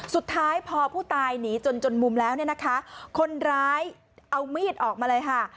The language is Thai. สุดท้ายพอผู้ตายหนีจนจนมุมแล้วเนี่ยนะคะคนร้ายเอามีดออกมาเลยค่ะ